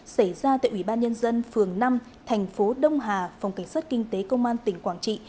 xảy ra tại ủy ban nhân dân phường năm thành phố đông hà phòng cảnh sát kinh tế công an tỉnh quảng trị